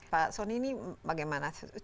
pak soni ini bagaimana